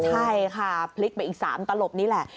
ใช่ค่ะพลิกไปอีก๓ตลบนี่แหละ